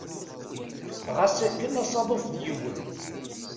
Ɣas akken asaḍuf d yiwen.